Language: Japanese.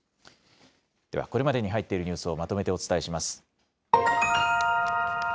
では、これまでに入っているニュースをまとめてお伝えします。